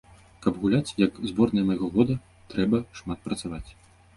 Каб гуляць, як зборная майго года, трэба шмат працаваць.